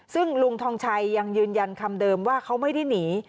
ซึ่งลุงทองชัยยังยืนยันคำเดิมว่าเขาไม่ได้หนี